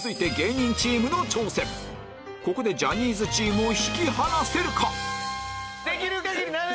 ここでジャニーズチームを引き離せるか⁉できる限り